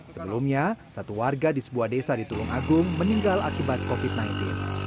sebelumnya satu warga di sebuah desa di tulung agung meninggal akibat covid sembilan belas